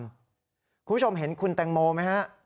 คุณผู้ชมเห็นคุณแตงโมไหมฮะ